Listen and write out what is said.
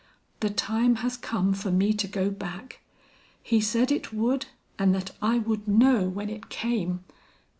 The time has come for me to go back. He said it would, and that I would know when it came.